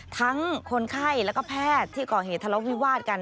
ทั้งคนไข้และก็แพทย์ที่ก่อเหตุธรรมวิวาสกัน